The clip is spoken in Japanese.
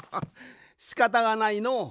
しかたがないのう。